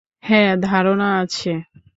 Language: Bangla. হ্যাঁঁ, ধারনা আছে।